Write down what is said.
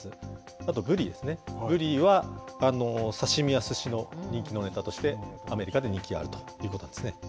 あとぶりですね、ぶりは刺身やすしの人気のネタとして、アメリカで人気があるということなんですね。